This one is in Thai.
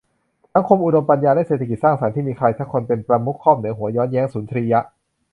สังคมอุดมปัญญาและเศรษฐกิจสร้างสรรค์ที่มีใครสักคนเป็นประมุขครอบเหนือหัว ย้อนแย้งสุนทรียะ